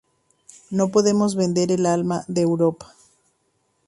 No podemos vender el alma de Europa...